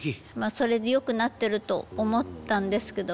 それでよくなってると思ったんですけども。